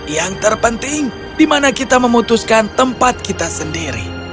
yang terpenting di mana kita memutuskan tempat kita sendiri